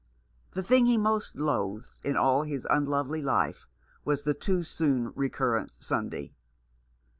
The thing he most loathed in all his unlovely life was the too soon recurrent Sunday.